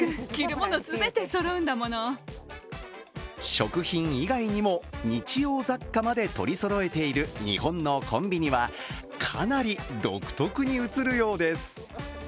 食品以外にも日用雑貨まで取りそろえている日本のコンビニは、かなり独特に映るようです。